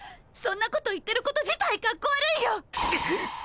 そんなこと言ってること自体かっこ悪いよ！